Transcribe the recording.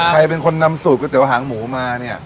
ใครเป็นคนนำสูตรก๋วเตี๋หางหมูมาเนี่ย